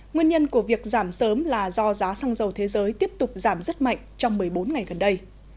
nguyên nhân của việc giảm sớm là do giá xăng dầu thế giới tiếp tục giảm rất mạnh trong một mươi bốn ngày gần đây